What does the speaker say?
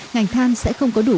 ngành than sẽ không có đủ